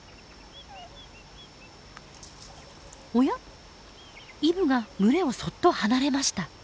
おやイブが群れをそっと離れました。